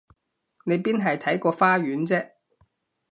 你邊係睇個花園啫？